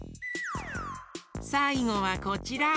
さいごはこちら。